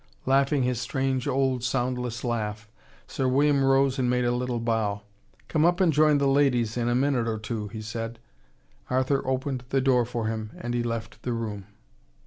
Laughing his strange old soundless laugh, Sir William rose and made a little bow. "Come up and join the ladies in a minute or two," he said. Arthur opened the door for him and he left the room.